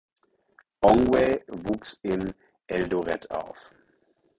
Ongwae wuchs in Eldoret auf.